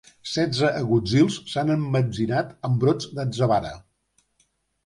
Setze agutzils s'han emmetzinat amb brots d'atzavara.